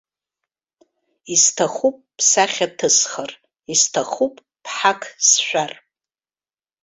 Исҭахуп бсахьа ҭысхыр, исҭахуп бҳақ сшәар!